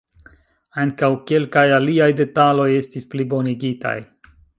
Ankaŭ kelkaj aliaj detaloj estis plibonigitaj.